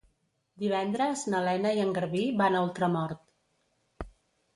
Divendres na Lena i en Garbí van a Ultramort.